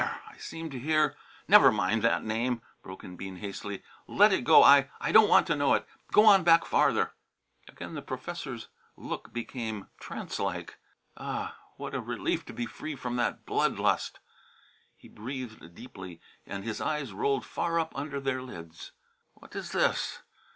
I seem to hear " "Never mind that name," broke in Bean hastily. "Let it go! I I don't want to know it. Go on back farther!" Again the professor's look became trancelike. "Ah! What a relief to be free from that blood lust!" He breathed deeply and his eyes rolled far up under their lids. "What is this?